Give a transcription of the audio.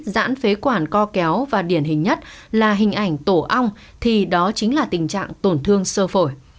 giãn phế quản co kéo và điển hình nhất là hình ảnh tổ ong thì đó chính là tình trạng tổn thương sơ phổi